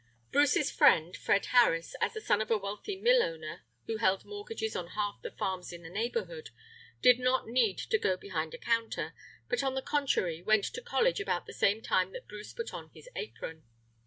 Bruce's friend, Fred Harris, as the son of a wealthy mill owner who held mortgages on half the farms in the neighbourhood, did not need to go behind a counter, but, on the contrary, went to college about the same time that Bruce put on his apron.